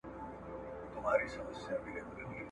خوښي نسته واويلا ده تور ماتم دئ !.